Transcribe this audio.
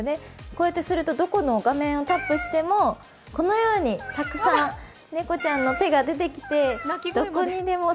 こうやってするとどこの画面をタップしてもこのように、たくさん猫ちゃんの手が出てきて、どこにでも。